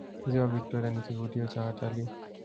ziwa victoria ni kivutio cha watalii